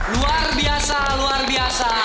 luar biasa luar biasa